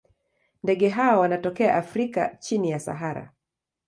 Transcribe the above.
Ndege hawa wanatokea Afrika chini ya Sahara.